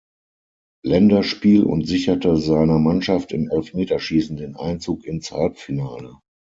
Länderspiel und sicherte seiner Mannschaft im Elfmeterschießen den Einzug ins Halbfinale.